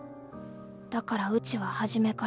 だからうちは初めから一人。